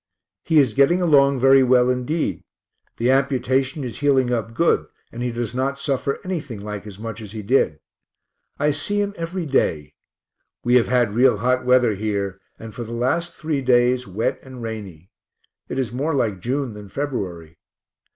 He is getting along very well indeed the amputation is healing up good, and he does not suffer anything like as much as he did. I see him every day. We have had real hot weather here, and for the last three days wet and rainy; it is more like June than February.